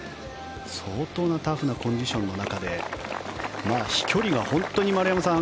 相当なタフなコンディションの中で飛距離が本当に、丸山さん